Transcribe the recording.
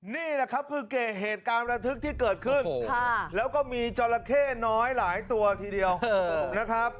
นี่แหละครับคือเหตุการณ์ระทึกที่เกิดขึ้นแล้วก็มีจราเข้น้อยหลายตัวทีเดียวนะครับ